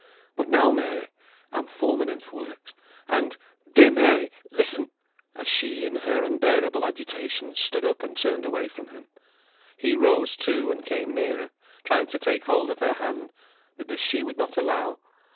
But now, Mary, I'm foreman in th' works, and, dear Mary! listen," as she, in her unbearable agitation, stood up and turned away from him. He rose, too, and came nearer, trying to take hold of her hand; but this she would not allow.